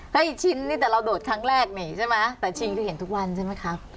ถ้าอีกชิ้นนี่แต่เราโดดครั้งแรกนี่ใช่ไหมแต่ชิ้นคือเห็นทุกวันใช่ไหมคะ